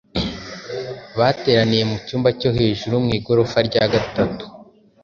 Bateraniye mu ” cyumba cyo hejuru” mu igorofa rya gatatu.